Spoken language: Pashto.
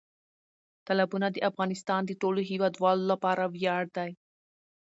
تالابونه د افغانستان د ټولو هیوادوالو لپاره ویاړ دی.